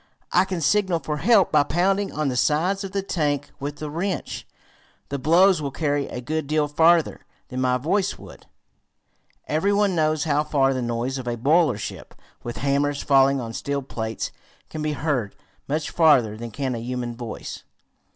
I can signal for help by pounding on the sides of the tank with the wrench. The blows will carry a good deal farther than my voice would." Every one knows how far the noise of a boiler shop, with hammers falling on steel plates, can be heard; much farther than can a human voice.